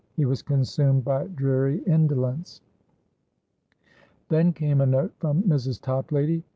He was consumed by dreary indolence. Then came a note from Mrs. Toplady.